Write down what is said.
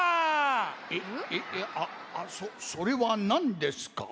えっあっそれはなんですか？